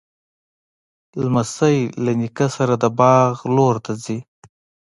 لمسی له نیکه سره د باغ لور ته ځي.